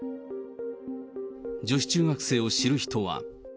女子中学生を知る人は。